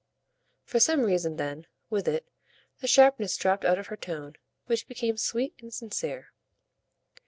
For some reason then, with it, the sharpness dropped out of her tone, which became sweet and sincere.